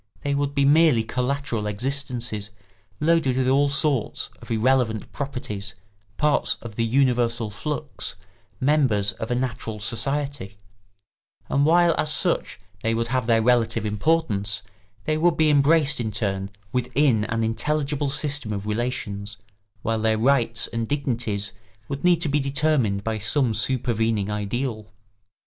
They would be merely collateral existences, loaded with all sorts of irrelevant properties, parts of the universal flux, members of a natural society; and while as such they would have their relative importance, they would be embraced in turn within an intelligible system of relations, while their rights and dignities would need to be determined by some supervening ideal.